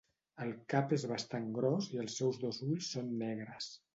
El cap és bastant gros i els seus dos ulls són negres.